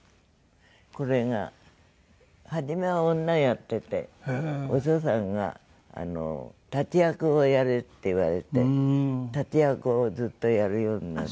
これが初めは女やっててお父さんが「立役をやれ」って言われて立役をずっとやるようになって。